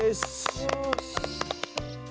よし。